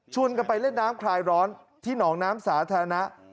กันไปเล่นน้ำคลายร้อนที่หนองน้ำสาธารณะ